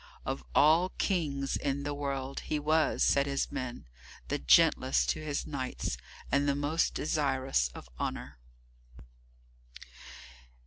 Of all Kings in the world, he was, said his men, the gentlest to his knights and the most desirous of honour.